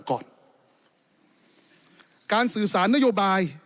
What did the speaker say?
ก่อนการสื่อสารนโยบาย